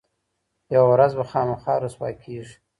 یوه ورځ به خامخا رسوا کیږي.